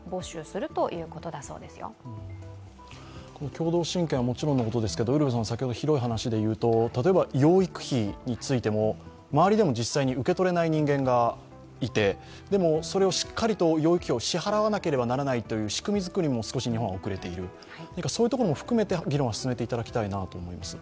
共同親権はもちろんのことですけど広い話でいうと、例えば養育費についても周りでも実際に受け取れない人間がいてでもそれをしっかりと養育費を支払わなければならないという仕組みづくりも少し日本は遅れている、そういうところも含めて、議論は進めていただきたいなと思います。